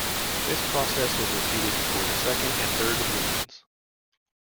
This process was repeated for the second and third movements.